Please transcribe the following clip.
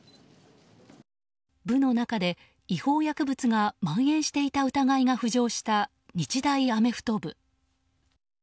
部の中で違法薬物が蔓延していた疑いが浮上した日大アメフト部。